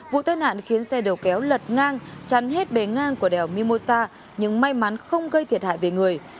vụ tai nạn khiến xe đầu kéo lật ngang chắn hết bề ngang của đèo mimosa nhưng may mắn không gây thiệt hại về người